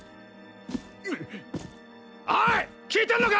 おい聞いてんのか！